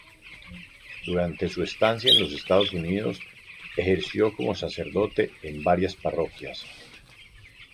Durante su estancia en los Estados Unidos, ejerció como sacerdote en varias parroquias.